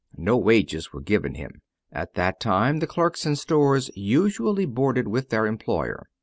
No wages were given him. At that time the clerks in stores usually boarded with their employer.